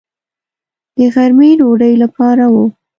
د غرمې ډوډۍ لپاره و.